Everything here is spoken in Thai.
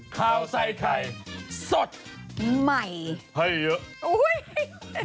ข้าวใส่ไข่สดใหม่ให้เยอะ